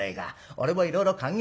俺もいろいろ考えたよ。